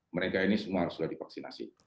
mereka ini semua harus sudah divaksinasi